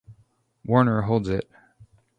Warner holds it.